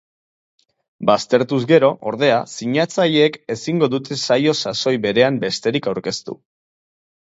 Baztertuz gero, ordea, sinatzaileek ezingo dute saio sasoi berean besterik aurkeztu.